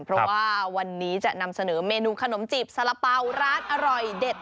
เพราะว่าวันนี้จะนำเสนอเมนูขนมจีบสารเป๋าร้านอร่อยเด็ด